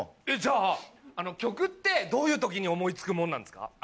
えっじゃあ曲ってどういう時に思い付くもんなんですか？